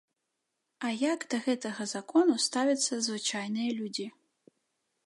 А як да гэтага закону ставяцца звычайныя людзі?